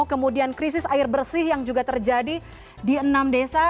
kemudian krisis air bersih yang juga terjadi di enam desa